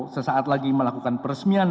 sesaat lagi melakukan peresmian